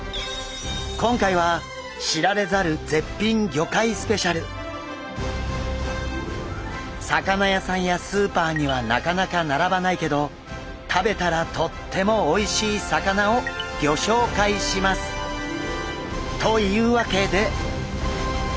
今回は魚屋さんやスーパーにはなかなか並ばないけど食べたらとってもおいしい魚をギョ紹介します！というわけで。